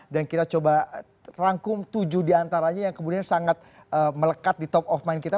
dan kita coba rangkum tujuh diantaranya yang kemudian sangat melekat di top of mind kita